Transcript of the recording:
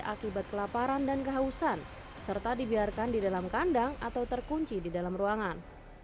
akibat kelaparan dan kehausan serta dibiarkan di dalam kandang atau terkunci di dalam ruangan